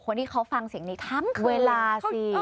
คนที่เขาฟังเสียงนี้ทั้งเวลาสิ